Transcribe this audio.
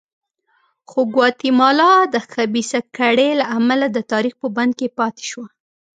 خو ګواتیمالا د خبیثه کړۍ له امله د تاریخ په بند کې پاتې شوه.